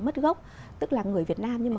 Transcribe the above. mất gốc tức là người việt nam nhưng mà